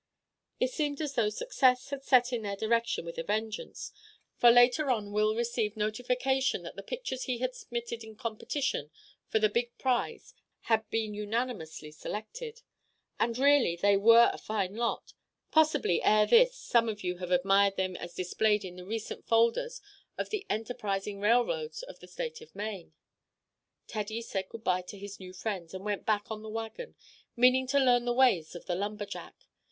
It seemed as though success had set in their direction with a vengeance, for later on Will received notification that the pictures he had submitted in competition for the big prize had been unanimously selected. And really they were a fine lot; possibly ere this some of you have admired them as displayed in the recent folders of the enterprising railroads of the State of Maine. Teddy said good by to his new friends, and went back on the wagon, meaning to learn the ways of a lumberjack.